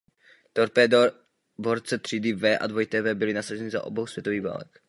Torpédoborce třídy "V a W" byly nasazeny za obou světových válek.